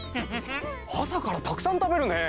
朝からたくさん食べるねぇ。